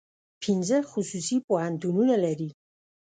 پنځه خصوصي پوهنتونونه لري.